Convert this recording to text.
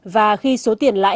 và khi số tiền lãi